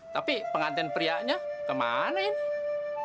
tapi pengantin prianya kemana ini